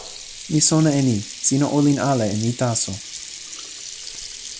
mi sona e ni: sina olin ala e mi taso.